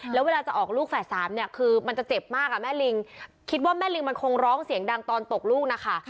แล้วเวลาจะออกลูกแฝดสามเนี่ยคือมันจะเจ็บมากแม่ลิงคิดว่าแม่ลิงมันคงร้องเสียงดังตอนตกลูกนะคะ